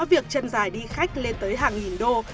việc chân dài đi khách lên tới hàng nghìn đô